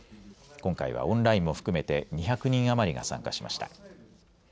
今回はオンラインも含めて２００人余りが参加しました。